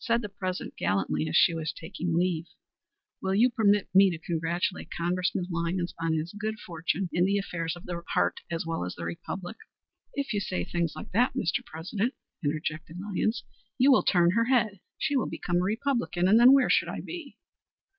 Said the President gallantly as she was taking leave: "Will you permit me to congratulate Congressman Lyons on his good fortune in the affairs of the heart as well as in politics?" "If you say things like that, Mr. President," interjected Lyons, "you will turn her head; she will become a Republican, and then where should I be?"